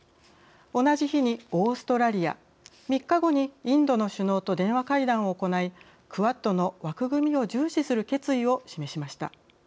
同じ日にオーストラリア３日後にインドの首脳と電話会談を行いクアッドの枠組みを重視する決意を示しました。